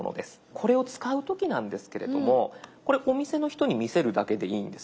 これを使う時なんですけれどもお店の人に見せるだけでいいんです。